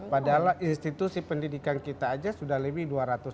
padahal institusi pendidikan kita aja sudah lebih dua ratus